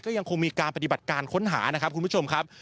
ยังคงมีการปฏิบัติการค้นหานะครับคุณผู้ชมครับ